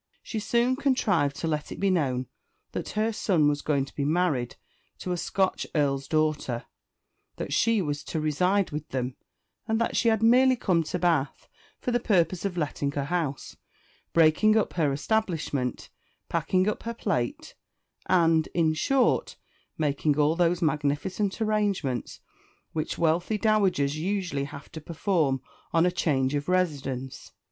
She soon contrived to let it be known that her son was going to be married to a Scotch Earl's daughter; that she was to reside with them; and that she had merely come to Bath for the purpose of letting her house breaking up her establishment packing up her plate and, in short, making all those magnificent arrangements which wealthy dowagers usually have to perform on a change of residence.